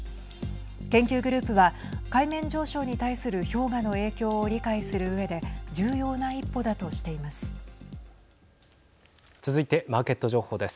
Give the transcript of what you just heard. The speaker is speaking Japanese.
研究グループは海面上昇に対する氷河の影響を理解するうえで重要な一歩だとしています。